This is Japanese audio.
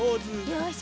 よし。